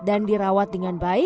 dan dirawat dengan baik